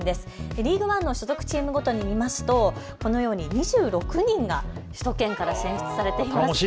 リーグワンの所属チームごとに見ますとこのよう２６人が首都圏から選出されています。